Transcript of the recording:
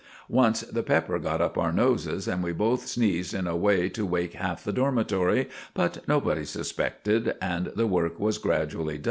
Once the pepper got up our noses, and we both sneezed in a way to wake half the dormitory; but nobody suspected, and the work was gradually done.